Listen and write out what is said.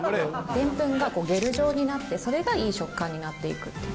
デンプンがゲル状になってそれがいい食感になっていくっていう。